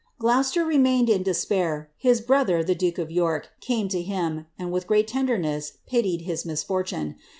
"* Gloucester remained in despair; his brother, the duke of York, came to him, and with great tenderness pitied his misfortune.